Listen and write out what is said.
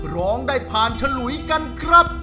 ร้องได้ผ่านฉลุยกันครับ